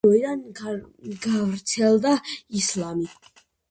ამავე დროიდან გავრცელდა ისლამი.